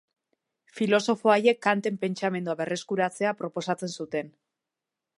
Filosofo haiek Kanten pentsamendua berreskuratzea proposatzen zuten.